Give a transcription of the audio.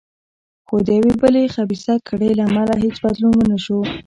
خو د یوې بلې خبیثه کړۍ له امله هېڅ بدلون ونه شو.